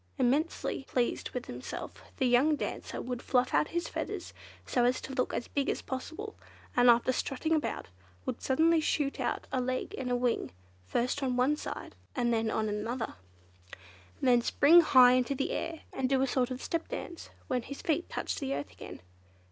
Immensely pleased with himself, the young dancer would fluff out his feathers, so as to look as big as possible, and after strutting about, would suddenly shoot out a leg and a wing, first on one side and then on the other, then spring high into the air, and do a sort of step dance when his feet touched the earth again.